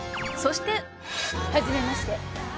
そしてはじめまして